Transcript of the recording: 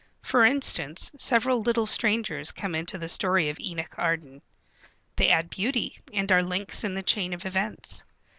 For instance, several little strangers come into the story of Enoch Arden. They add beauty, and are links in the chain of events.